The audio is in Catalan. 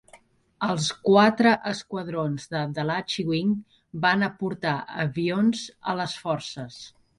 Els quatre esquadrons de Dallachy Wing van aportar avions a les forces.